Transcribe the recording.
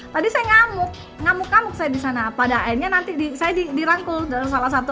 tadi saya ngamuk ngamuk ngamuk saya di sana pada akhirnya nanti di saya dirangkul dalam salah satu